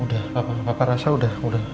udah papa papa rasa udah